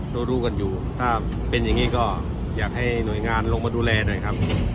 รู้กันอยู่ถ้าเป็นอย่างนี้ก็อยากให้หน่วยงานลงมาดูแลหน่อยครับ